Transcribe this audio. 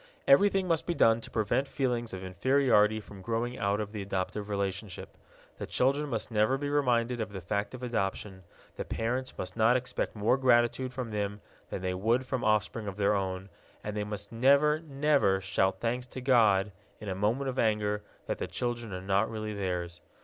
Everything must be done to prevent feelings of inferiority from growing out of the adoptive relationship: the children must never be reminded of the fact of adoption, the parents must not expect more gratitude from them than they would from offspring of their own, and they must never, never shout thanks to God, in a moment of anger, that the children are not really theirs.